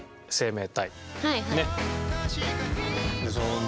はい。